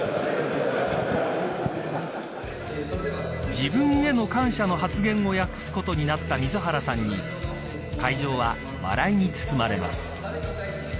自分への感謝の発言を訳すことになった水原さんに会場は笑いに包まれます。